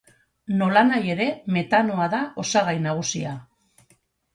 Nolanahi ere, metanoa da osagai nagusia.